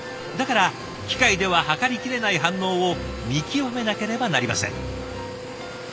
だから機械では計りきれない反応を見極めなければなりません。